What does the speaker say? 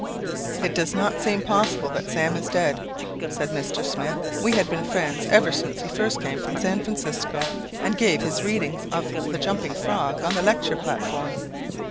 "It does not seem possible that Sam is dead," said Mr. Smith. "We had been friends ever since he first came from San Francisco and gave his readings of 'The Jumping Frog' on the lecture platform.